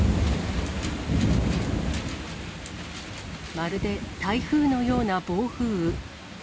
まるで台風のような暴風雨。